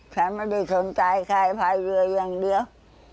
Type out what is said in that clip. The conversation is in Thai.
ฉันไม่ได้สนใจใครพายเรืออย่างเดียว